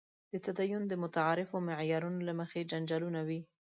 د تدین د متعارفو معیارونو له مخې جنجالونه وي.